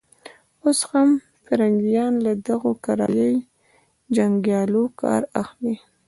اوس هم پرنګيان له دغو کرایه يي جنګیالیو کار اخلي.